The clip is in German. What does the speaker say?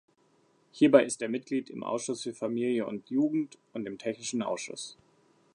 Hierbei ist er Mitglied im Ausschuss für Familie- und Jugend und dem Technischen Ausschuss.